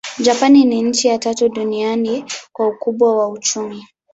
Japani ni nchi ya tatu duniani kwa ukubwa wa uchumi.